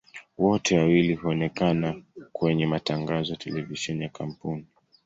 Wote wawili huonekana kwenye matangazo ya televisheni ya kampuni.